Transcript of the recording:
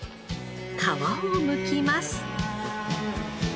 皮をむきます。